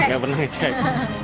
nggak pernah ngecek